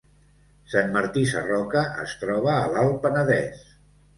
Sant Martí Sarroca es troba a l’Alt Penedès